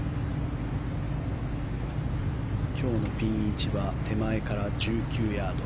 今日のピン位置は手前から１９ヤード。